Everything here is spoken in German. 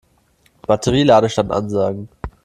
Batterie-Ladestand ansagen.